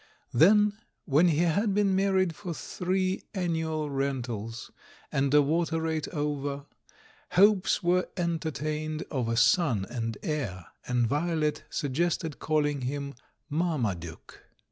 Then, when he had been married for three annual rent als, and a water rate over, hopes were entertained of a son and heir — and Violet suggested calling him "Marmaduke."